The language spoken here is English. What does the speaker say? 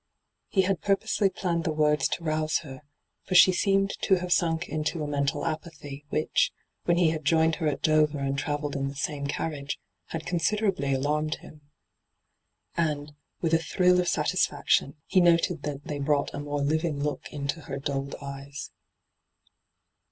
He had purposely planned the words to rouse her ; for she seemed to have sunk into a mental apathy, which, when he had joined her at Dover and travelled in the same carriage, had considerably alarmed him. And, with a iknH of satisfaction, he noted that w 17 D,gt,, 6!ibyGOOglC 258 ENTRAPPED they brooght a more living look into her dulled eyes.